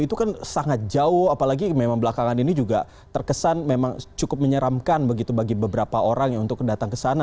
itu kan sangat jauh apalagi memang belakangan ini juga terkesan memang cukup menyeramkan begitu bagi beberapa orang yang untuk datang ke sana